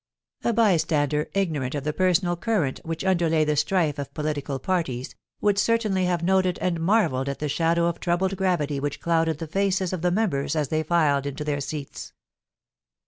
A bystander, ignorant of the personal current which underlay the strife of political paities, would certainly have noted and marvelled at the shadow of troubled gravity which clouded the faces of the members as they filed into their scats.